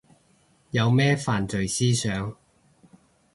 有咩犯罪思想